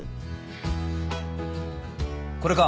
これか。